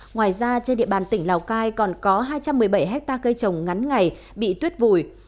ngoài ra trên địa bàn tỉnh lào cai còn có hai trăm một mươi bảy hectare cây trồng ngắn ngày bị tuyết vùi